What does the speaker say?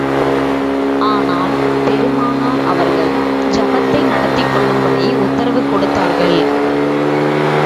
ஆனால், பெருமானார் அவர்கள் ஜபத்தை நடத்திக் கொள்ளும்படி உத்தரவு கொடுத்தார்கள்.